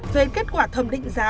về kết quả thẩm định giá